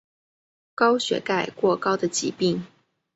高血钙过高的疾病。